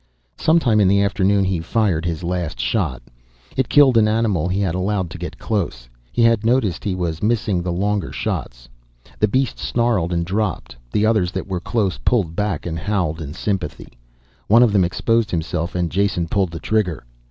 Sometime in the afternoon he fired his last shot. It killed an animal he had allowed to get close. He had noticed he was missing the longer shots. The beast snarled and dropped, the others that were close pulled back and howled in sympathy. One of them exposed himself and Jason pulled the trigger.